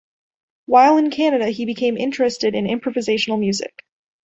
While in Canada, he became interested in improvisational music.